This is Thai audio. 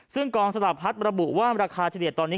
ซึ่งกองสลากพัดระบุว่าราคาเฉลี่ยตอนนี้